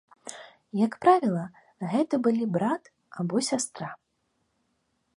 Як правіла, гэта былі брат або сястра.